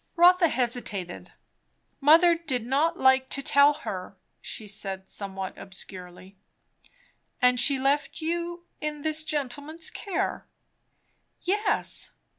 Rotha hesitated. "Mother did not like to tell her," she said, somewhat obscurely. "And she left you in this gentleman's care." "Yes."